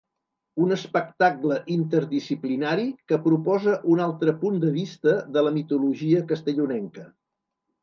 Un espectacle interdisciplinari que proposa un altre punt de vista de la mitologia castellonenca.